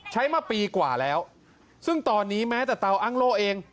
ใช้มาปีกว่าแล้วซึ่งตอนนี้แม้แต่เตาอ้างโล่เอง